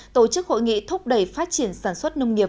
tổ chức hội nghị thúc đẩy phát triển sản xuất nông nghiệp